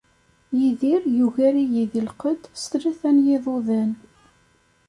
Yidir yugar-iyi di lqedd s tlata n yiḍudan.